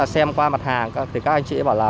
xem qua mặt hàng thì các anh chị bảo là